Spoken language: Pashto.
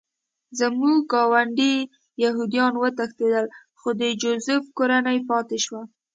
زموږ ګاونډي یهودان وتښتېدل خو د جوزف کورنۍ پاتې شوه